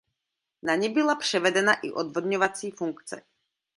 Na ni byla převedena i odvodňovací funkce.